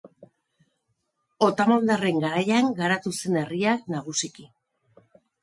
Otomandarren garaian garatu zen herria nagusiki.